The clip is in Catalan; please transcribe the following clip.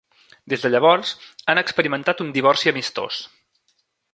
Des de llavors han experimentat un "divorci amistós".